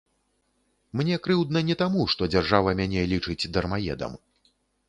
Мне крыўдна не таму, што дзяржава мяне лічыць дармаедам.